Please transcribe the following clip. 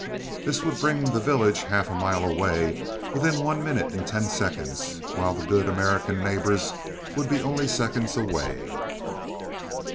This would bring the village half a mile away within one minute and ten seconds, while the good American neighbors would be only seconds away.